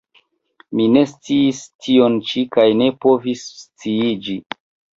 Mi ne sciis tion ĉi kaj ne povis sciiĝi.